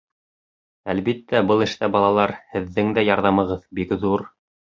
Әлбиттә, был эштә, балалар, һеҙҙең дә ярҙамығыҙ бик ҙур.